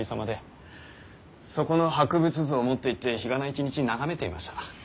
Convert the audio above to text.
そこの博物図を持っていって日がな一日眺めていました。